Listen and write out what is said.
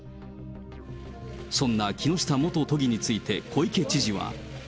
そんな木下元都議について、小池知事は。